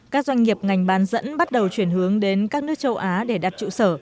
các doanh nghiệp ngành bán dẫn bắt đầu chuyển hướng đến các nước châu á để đặt trụ sở